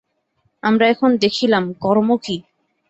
আমরা এখন দেখিলাম, কর্ম কি।